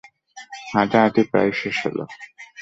হাঁটাহাঁটি প্রায় শেষ হলো।